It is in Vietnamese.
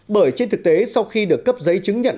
bởi trên thực tế sau khi được cấp giấy chứng nhận